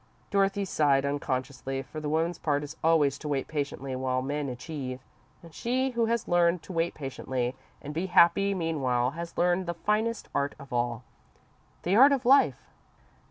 Dorothy sighed, unconsciously, for the woman's part is always to wait patiently while men achieve, and she who has learned to wait patiently, and be happy meanwhile, has learned the finest art of all the art of life.